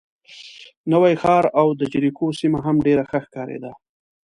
نوی ښار او د جریکو سیمه هم ډېره ښه ښکارېده.